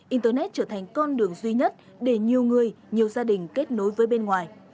internet trở thành con đường duy nhất để nhiều người nhiều gia đình kết nối với bên ngoài